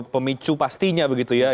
pemicu pastinya begitu ya